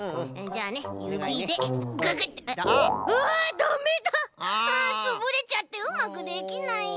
あつぶれちゃってうまくできないよ！